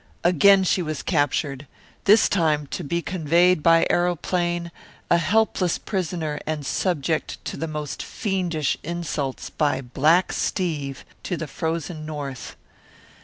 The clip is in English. Again she was captured, this time to be conveyed by aeroplane, a helpless prisoner and subject to the most fiendish insults by Black Steve, to the frozen North.